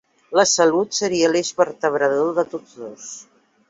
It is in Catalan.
La salut seria l'eix vertebrador de tots dos.